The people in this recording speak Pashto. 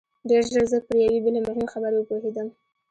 ډېر ژر زه پر یوې بلې مهمې خبرې وپوهېدم